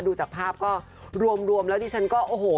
ดูจากภาพก็รวมแล้วดิฉันก็โอ้โห